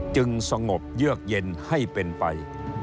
จึงสงบเยือกเย็นให้เป็นไป